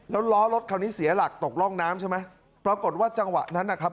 แล้วล้อรถคันนี้เสียหลักตกร่องน้ำใช่ไหมปรากฏว่าจังหวะนั้นนะครับ